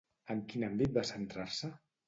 En quin àmbit va centrar-se?